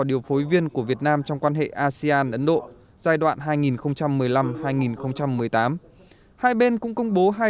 điều phối viên của việt nam trong quan hệ asean ấn độ giai đoạn hai nghìn một mươi năm hai nghìn một mươi tám hai bên cũng công bố hai